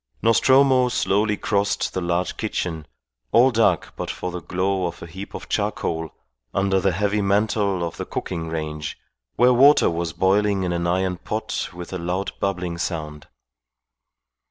Nostromo slowly crossed the large kitchen, all dark but for the glow of a heap of charcoal under the heavy mantel of the cooking range, where water was boiling in an iron pot with a loud bubbling sound.